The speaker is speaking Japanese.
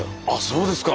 そうですか。